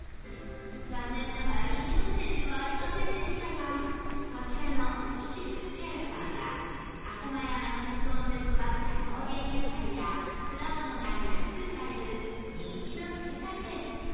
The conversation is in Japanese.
残念ながら飲食店ではありませんでしたがこちらの七福茶屋さんは浅間山の裾野で育った高原野菜や果物が安く買える人気の青果店